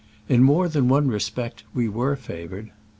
In more than one respect we were favored.